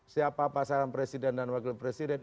siapa pasangan presiden dan wakil presiden